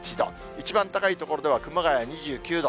一番高い所では熊谷２９度。